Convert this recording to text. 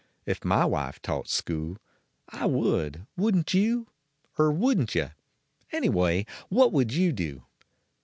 If my wife taught school. I would, wouldn t you? Er wouldn t yuh ? Knny way what would you do?